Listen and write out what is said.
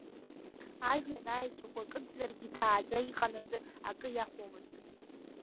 Ажәҩан аеҵәақәа кыдзаргьы, иҭааӡа иҟан азы, акы иахәомызт.